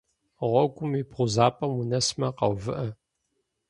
Гъуэгум и бгъузапӏэм унэсмэ, къэувыӏэ.